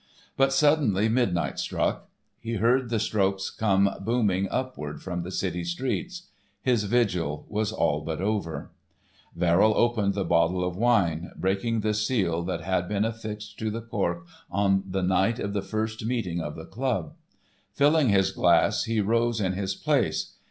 But suddenly midnight struck. He heard the strokes come booming upward from the city streets. His vigil was all but over. Verrill opened the bottle of wine, breaking the seal that had been affixed to the cork on the night of the first meeting of the club. Filling his glass, he rose in his place.